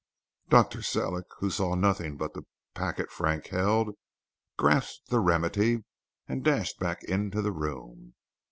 Dr. Sellick, who saw nothing but the packet Frank held, grasped the remedy and dashed back into the room.